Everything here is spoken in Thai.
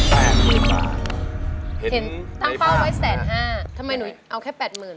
เห็นตั้งเป้าไว้๑๕๐๐๐๐บาททำไมหนูเอาแค่๘๐๐๐๐บาท